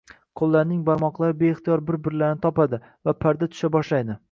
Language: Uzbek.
Qo‘llarning barmoqlari beixtiyor bir-birlarini topadi va parda tusha boshlaydi.